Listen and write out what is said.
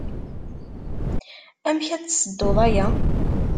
Amek ad tessedduḍ aya?